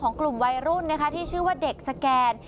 กลุ่มวัยรุ่นนะคะที่ชื่อว่าเด็กสแกน